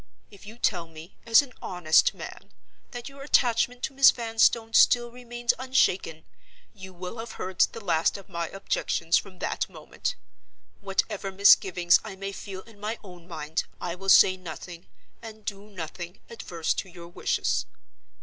If you tell me, as an honest man, that your attachment to Miss Vanstone still remains unshaken, you will have heard the last of my objections from that moment. Whatever misgivings I may feel in my own mind, I will say nothing, and do nothing, adverse to your wishes.